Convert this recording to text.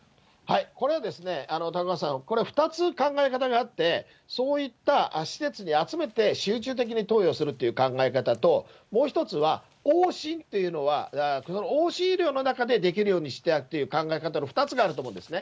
これはですね、高岡さん、これは２つ考え方があって、そういった施設に集めて集中的に投与するという考え方と、もう１つは、往診というのは、往診医療の中でできるようにしていくという考え方の２つがあると思うんですね。